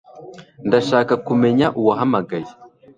Ndashaka kumenya uwahamagaye